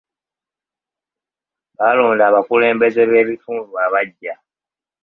Baalonda abakulembeze b'ebitundu abaggya.